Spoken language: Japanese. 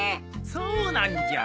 そうなんじゃ。